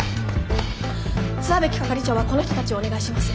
石蕗係長はこの人たちをお願いします。